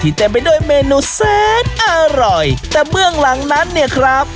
เต็มไปด้วยเมนูแสนอร่อยแต่เบื้องหลังนั้นเนี่ยครับ